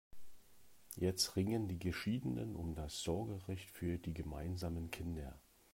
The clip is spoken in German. Jetzt ringen die Geschiedenen um das Sorgerecht für die gemeinsamen Kinder.